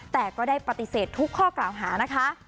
แต่ก็ได้ปฏิเสธทุกข้อกล่าวหานะคะ